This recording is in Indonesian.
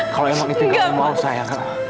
kalau emang itu gak mau saya